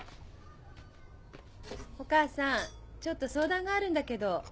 お母さんちょっと相談があるんだけど。